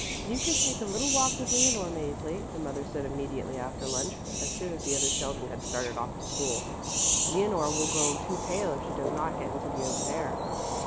"You can take a little walk with Leonore, Mäzli," the mother said immediately after lunch, as soon as the other children had started off to school. "Leonore will grow too pale if she does not get into the open air.